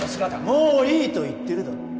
もういいと言ってるだろ！